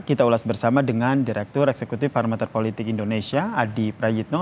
kita ulas bersama dengan direktur eksekutif parameter politik indonesia adi prayitno